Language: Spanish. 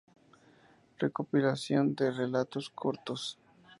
Recopilación de relatos cortos